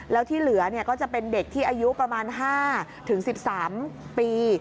แล้วที่เหลือก็จะเป็นเด็กที่อายุประมาณ๕๑๓ปี